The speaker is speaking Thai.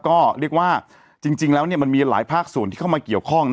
ก็เรียกว่าจริงแล้วมันมีหลายภาคส่วนที่เข้ามาเกี่ยวข้อง